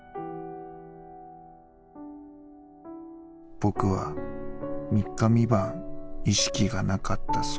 僕は３日３晩意識が無かったそうだ」。